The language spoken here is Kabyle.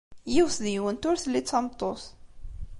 Yiwet deg-went ur telli d tameṭṭut.